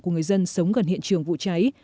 của người dân sống gần hiện trường vụ cháy